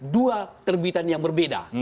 dua terbitan yang berbeda